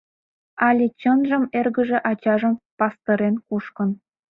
Але, чынжым, эргыже ачажым пастырен кушкын.